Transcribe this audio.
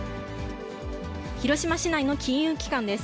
広島市内の金融機関です。